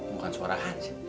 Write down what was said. bukan suara hans